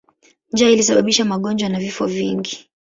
Njaa ilisababisha magonjwa na vifo vingi.